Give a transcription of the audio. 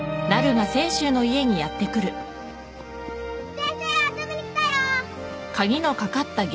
先生遊びに来たよ！